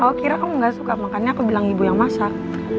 oh kira kamu nggak suka makannya aku bilang ibu yang masak